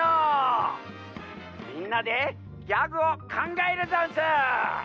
みんなでギャグをかんがえるざんす！